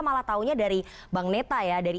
malah taunya dari bang neta ya dari